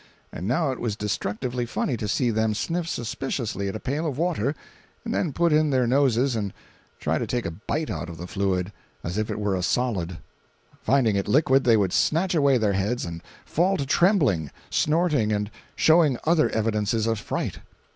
And now it was destructively funny to see them sniff suspiciously at a pail of water, and then put in their noses and try to take a bite out of the fluid, as if it were a solid. Finding it liquid, they would snatch away their heads and fall to trembling, snorting and showing other evidences of fright.